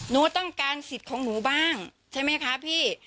หนูต้องการสิทธิ์ของหนูบ้างใช่ไหมคะพี่